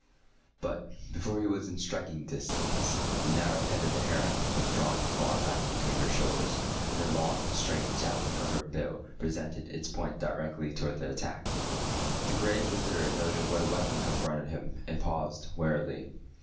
But, before he was within striking distance, the narrow head of the heron was drawn far back between her shoulders, and the long straight javelin of her bill presented its point directly toward the attack. The Gray Visitor noted what a weapon confronted him, and paused warily.